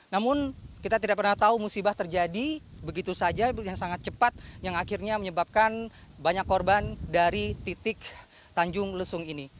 namun kita tidak pernah tahu musibah terjadi begitu saja yang sangat cepat yang akhirnya menyebabkan banyak korban dari titik tanjung lesung ini